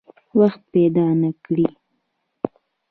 وخت پیدا نه کړي.